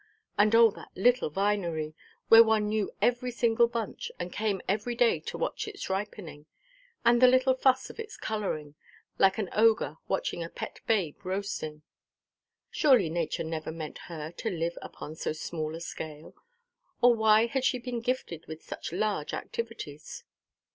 And oh that little vinery, where one knew every single bunch, and came every day to watch its ripening, and the little fuss of its colouring, like an ogre watching a pet babe roasting. Surely nature never meant her to live upon so small a scale; or why had she been gifted with such large activities?